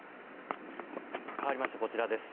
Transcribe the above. かわりましてこちらです。